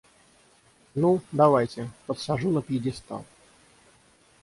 Ну, давайте, подсажу на пьедестал.